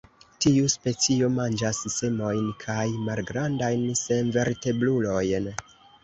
Tiu specio manĝas semojn kaj malgrandajn senvertebrulojn.